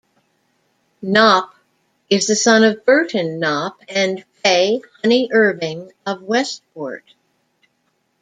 Knopp is the son of Burton Knopp and Fay Honey Irving of Westport.